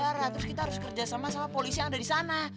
kita harus ke bandara terus kita harus kerja sama sama polisi yang ada disana